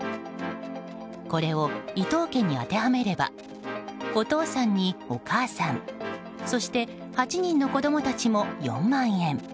これを伊藤家に当てはめればお父さんに、お母さんそして、８人の子供たちも４万円。